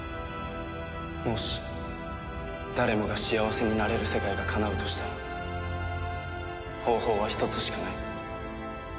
もし誰もが幸せになれる世界がかなうとしたら方法は一つしかない。